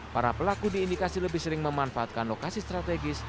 para pelaku diindikasi lebih sering memanfaatkan lokasi strategis